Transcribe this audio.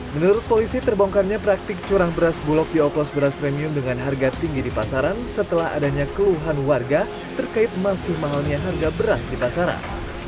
menurut polisi terbongkarnya praktik curang beras bulog di oplos beras premium dengan harga tinggi di pasaran setelah adanya keluhan warga terkait masih mahalnya harga beras di pasaran